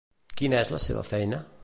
Quina és la seva feina?